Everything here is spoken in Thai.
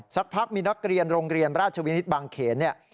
สักพักมีนักเรียนโรงเรียนราชวินิตบางเขนเนี่ย